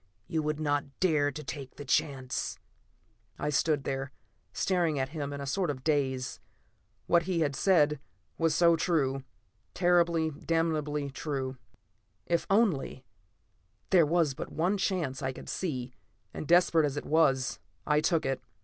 You would not dare to take the chance!" I stood there, staring at him in a sort of daze. What he had said was so true; terribly, damnably true. If only There was but one chance I could see, and desperate as it was, I took it.